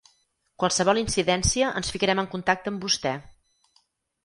Qualsevol incidència ens ficarem en contacte amb vostè.